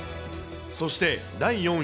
そして、第４位。